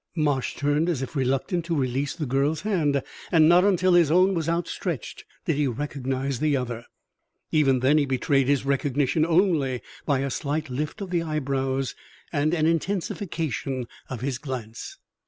Marsh turned as if reluctant to release the girl's hand, and not until his own was outstretched did he recognize the other. Even then he betrayed his recognition only by a slight lift of the eyebrows and an intensification of his glance.